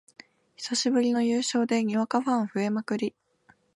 久しぶりの優勝でにわかファン増えまくり